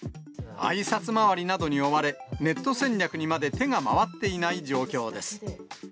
あいさつ回りなどに追われ、ネット戦略にまで手が回っていない状況です。